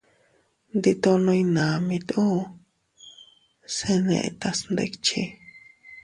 Nditono iynamit uu, se netas ndikchi.